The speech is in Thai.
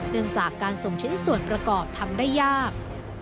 เนื่องจากการส่งชิ้นส่วนประกอบทำได้ยาก